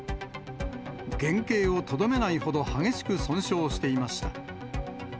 原形をとどめないほど激しく損傷していました。